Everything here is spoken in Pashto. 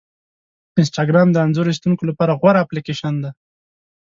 انسټاګرام د انځور ایستونکو لپاره غوره اپلیکیشن دی.